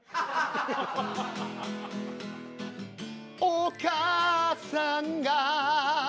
お母さんが。